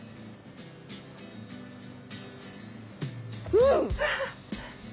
うん！